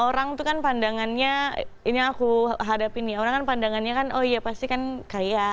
orang tuh kan pandangannya ini aku hadapin ya orang kan pandangannya kan oh iya pasti kan kaya